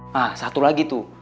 nah satu lagi tuh